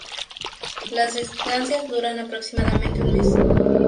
Las estancias duran aproximadamente un mes.